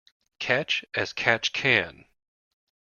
Catch as catch can.